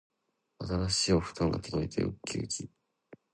新しいお布団が届いてうっきうき